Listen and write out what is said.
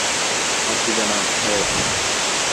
হাত দিবানা, হেহ্।